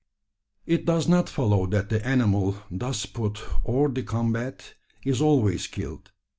It does not follow that the animal thus put hors de combat is always killed.